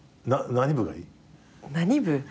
何部？